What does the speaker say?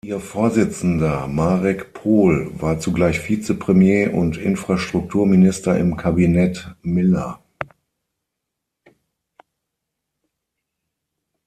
Ihr Vorsitzender Marek Pol war zugleich Vizepremier und Infrastrukturminister im Kabinett Miller.